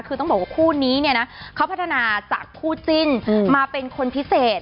คือต้องบอกว่าคู่นี้เนี่ยนะเขาพัฒนาจากคู่จิ้นมาเป็นคนพิเศษ